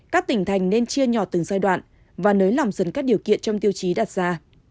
các tỉnh thành nên chia nhỏ từng giai đoạn và nới lỏng dần các điều kiện trong tiêu chí đặt ra